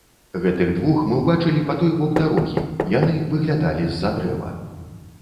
Гэтых двух мы ўбачылі па той бок дарогі, яны выглядалі з-за дрэва.